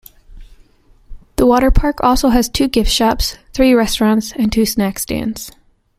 The water park also has two gift shops, three restaurants and two snack stands.